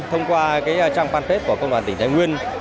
thông qua trang fanpage của công đoàn tỉnh thái nguyên